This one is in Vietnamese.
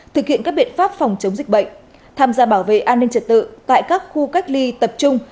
thực hiện các biện pháp phòng chống dịch bệnh tham gia bảo vệ an ninh trật tự tại các khu cách ly tập trung